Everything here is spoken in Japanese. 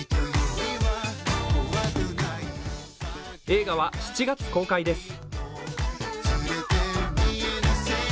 映画は７月公開です。